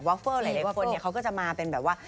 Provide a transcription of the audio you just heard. วอฟเฟิลหลายคนเนี่ยเขาก็จะมาเป็นแบบว่า